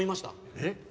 えっ？